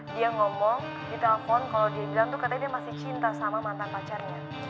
dia ngomong di telepon kalau dia bilang tuh katanya dia masih cinta sama mantan pacarnya